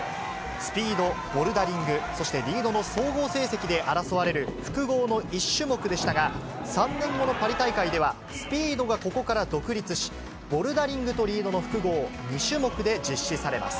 スピード、ボルダリング、そしてリードの総合成績で争われる複合の１種目でしたが、３年後のパリ大会ではスピードがここから独立し、ボルダリングとリードの複合２種目で実施されます。